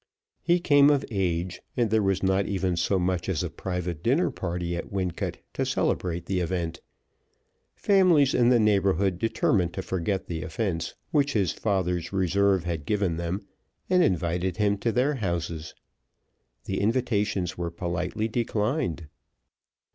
He came of age, and there was not even so much as a private dinner party at Wincot to celebrate the event. Families in the neighborhood determined to forget the offense which his father's reserve had given them, and invited him to their houses. The invitations were politely declined.